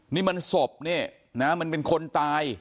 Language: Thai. นี่มันศพเนี่ยนะมันเป็นคนตาย